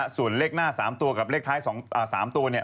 ส่วนเลขหน้า๓ตัวกับเลขท้าย๓ตัวเนี่ย